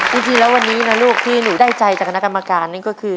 จริงแล้ววันนี้นะลูกที่หนูได้ใจจากคณะกรรมการนี่ก็คือ